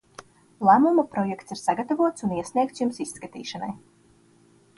Lēmuma projekts ir sagatavots un iesniegts jums izskatīšanai.